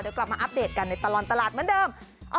เดี๋ยวกลับมาอัปเดตกันในตลอดตลาดเหมือนเดิม